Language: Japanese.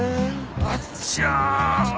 あっちゃ。